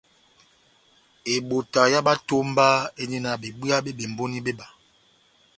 Ebota ya bá etomba éndi na bebwéya bé bemboni béba.